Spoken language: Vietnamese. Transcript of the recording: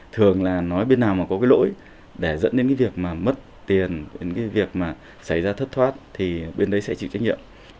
thường là nói bên nào mà có cái lỗi để dẫn đến cái việc mà mất tiền đến cái việc mà xảy ra thất thoát thì bên đấy sẽ chịu trách nhiệm